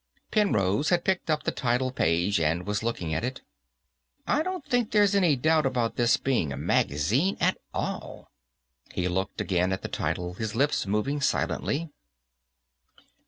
Penrose had picked up the title page and was looking at it. "I don't think there's any doubt about this being a magazine, at all." He looked again at the title, his lips moving silently.